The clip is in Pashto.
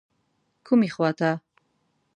کومې خواته.